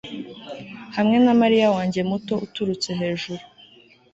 hamwe na marayika wanjye muto uturutse hejuru